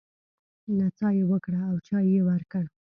نڅا يې وکړه او چای يې ورکړ.